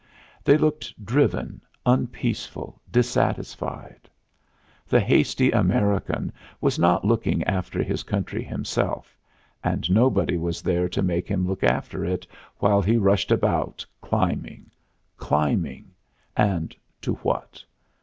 They looked driven, unpeaceful, dissatisfied. The hasty American was not looking after his country himself, and nobody was there to make him look after it while he rushed about climbing, climbing and to what?